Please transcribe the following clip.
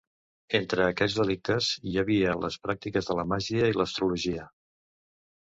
Entre aquests delictes hi havia les pràctiques de la màgia i l'astrologia.